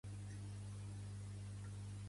Els halteris són les ales posteriors modificades.